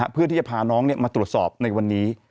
เพื่อที่จะพาน้องมาตรวจสอบในวันนี้